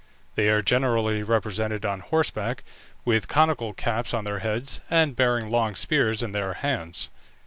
They are generally represented on horseback, with conical caps on their heads, and bearing long spears in their hands.